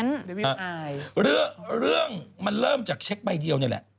ของพี่ปายเรื่องมันเริ่มจากเช็คใบเดียวนี่แหละ